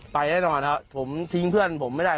แน่นอนครับผมทิ้งเพื่อนผมไม่ได้